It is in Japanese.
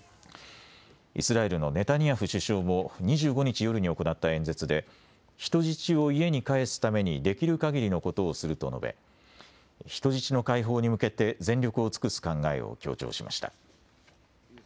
イスラエルのネタニヤフ首相も２５日夜に行った演説で人質を家に返すためにできるかぎりのことをすると述べ人質の解放に向けて全力を尽くす考えを強調しました。